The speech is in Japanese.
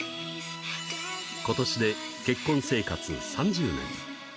ことしで結婚生活３０年。